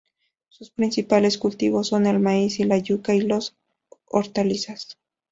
Sus principales cultivos son el maíz, la yuca y las hortalizas.